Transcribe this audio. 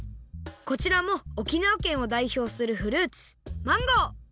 こちらも沖縄県をだいひょうするフルーツマンゴー！